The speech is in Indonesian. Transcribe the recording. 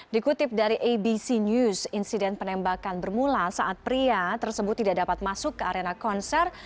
dikutip dari abc news insiden penembakan bermula saat pria tersebut tidak dapat masuk ke arena konser